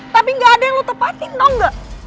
tapi gak ada yang lu tepatin tau gak